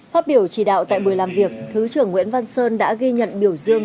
phát biểu chỉ đạo tại buổi làm việc thứ trưởng nguyễn văn sơn đã ghi nhận biểu dương